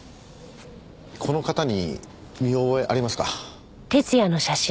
この方に見覚えありますか？